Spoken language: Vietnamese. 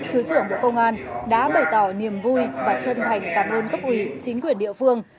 thứ trưởng bộ công an đã bày tỏ niềm vui và chân thành cảm ơn cấp ủy chính quyền địa phương